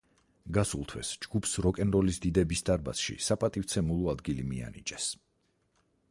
გასულ თვეს ჯგუფს როკენ როლის დიდების დარბაზში საპატივცემულო ადგილი მიანიჭეს.